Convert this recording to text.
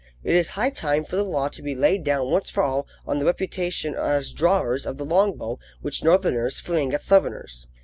It is high time for the law to be laid down once for all on the reputation as drawers of the long bow which Northerners fling at Southerners.